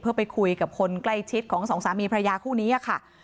เพื่อไปคุยกับคนใกล้ชิดของสองสามีพระยาคู่นี้ค่ะ